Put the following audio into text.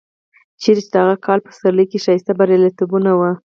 چېرې چې د هغه کال په پسرلي کې ښایسته بریالیتوبونه و.